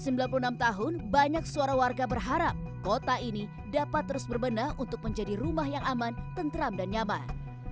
sejak jakarta yang sudah empat ratus sembilan puluh enam tahun banyak suara warga berharap kota ini dapat terus berbenah untuk menjadi rumah yang aman tenteram dan nyaman